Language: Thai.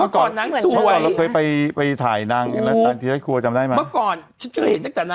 ใช่ครับที่เคยเห็น